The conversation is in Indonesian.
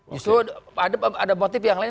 justru ada motif yang lain